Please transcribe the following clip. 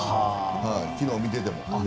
昨日見ていても。